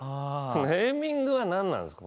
ネーミングはなんなんですか？